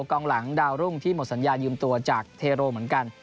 กองหลังดาวรุ่งที่หมดสัญญายืมตัวจากเทโรเหมือนกัน